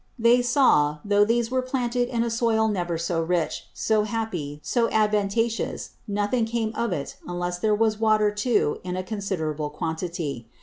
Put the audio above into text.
They saw, though these were planted in a Soil never so rich, so happy, so advantageous, nothing came of it unless there was Water too in a considerable quantity.